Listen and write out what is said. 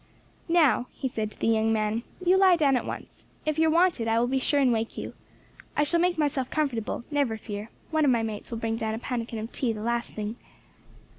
"Now," he said to the young man, "you lie down at once. If you are wanted I will be sure and wake you. I shall make myself comfortable, never fear; one of my mates will bring me down a pannikin of tea the last thing."